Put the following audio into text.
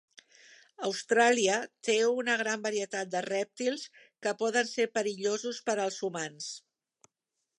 Austràlia té una gran varietat de rèptils que poden ser perillosos per als humans.